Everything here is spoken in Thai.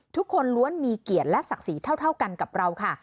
ทุกคนล้วนมีเกียรติและศักดิ์ศรีเท่ากันกับเราค่ะ